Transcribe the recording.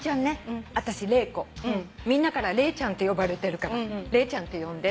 「みんなからレイちゃんって呼ばれてるからレイちゃんって呼んで」